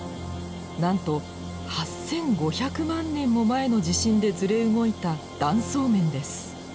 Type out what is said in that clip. なんと８，５００万年も前の地震でずれ動いた断層面です。